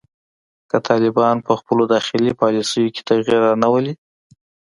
که طالبان په خپلو داخلي پالیسیو کې تغیر رانه ولي